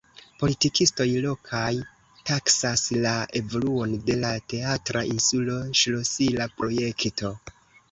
Politikistoj lokaj taksas la evoluon de la Teatra insulo ŝlosila projekto.